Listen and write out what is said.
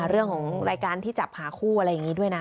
เรื่องของรายการที่จับหาคู่อะไรอย่างนี้ด้วยนะ